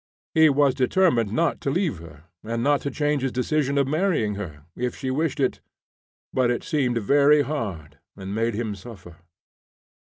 He was determined not to leave her, and not to change his decision of marrying her, if she wished it; but it seemed very hard, and made him suffer.